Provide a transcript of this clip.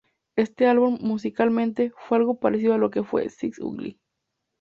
Este álbum, musicalmente, fue algo parecido a lo que fue "six Ugly".